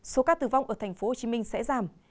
số ca tử vong ở tp hcm sẽ giảm